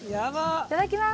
いただきます！